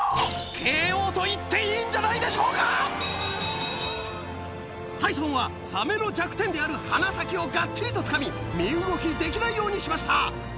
ＫＯといっていいんじゃないでしょうかタイソンはサメの弱点である鼻先をがっちりとつかみ身動きできないようにしました